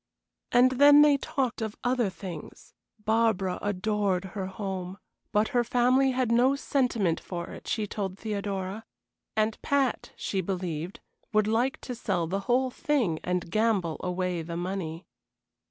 And then they talked of other things. Barbara adored her home, but her family had no sentiment for it, she told Theodora; and Pat, she believed, would like to sell the whole thing and gamble away the money.